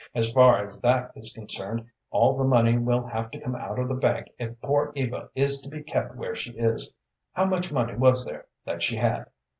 As far as that is concerned, all the money will have to come out of the bank if poor Eva is to be kept where she is. How much money was there that she had?"